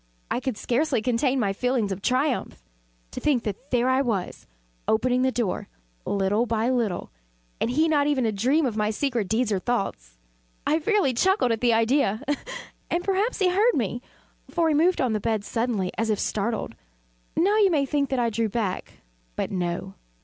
I could scarcely contain my feelings of triumph. To think that there I was, opening the door, little by little, and he not even to dream of my secret deeds or thoughts. I fairly chuckled at the idea; and perhaps he heard me; for he moved on the bed suddenly, as if startled. Now you may think that I drew back but no.